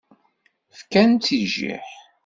Fkan-tt i jjiḥ.